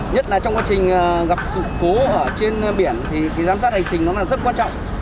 nhất là trong quá trình gặp sự cố ở trên biển thì giám sát hành trình rất quan trọng